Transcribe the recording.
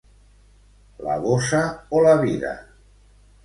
La bossa o la vida!